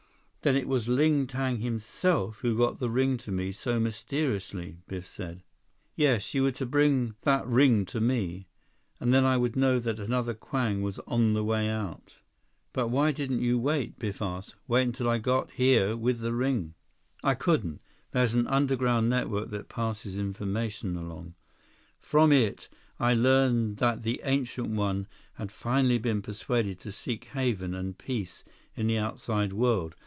"Then it was Ling Tang himself who got the ring to me so mysteriously!" Biff said. "Yes. You were to bring that ring to me, and then I would know that another Kwang was on the way out." "But why didn't you wait?" Biff asked. "Wait until I got here with the ring?" 159 "I couldn't. There's an underground network that passes information along. From it, I learned that the Ancient One had finally been persuaded to seek haven and peace in the outside world.